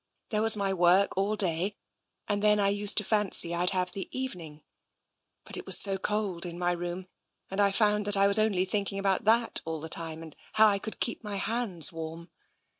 There was my work all day, and then I used to fancy I'd have the evening — but it was so cold in my room, and I found that I was only thinking about that all the time, and how I could keep my hands warm.